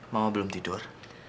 mama belum tidur